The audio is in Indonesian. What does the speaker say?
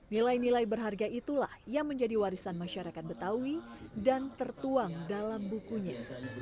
nilai nilai berharga itulah yang menjadi warisan masyarakat betawi dan tertuang dalam bukunya